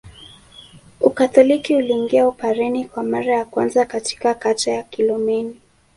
Ukatoliki uliingia Upareni kwa mara ya kwanza katika kata ya Kilomeni